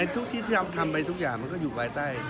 ที่ทำไปทุกอย่างมันก็อยู่ใบใต้